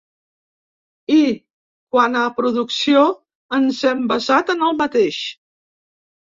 I, quant a producció, ens hem basat en el mateix.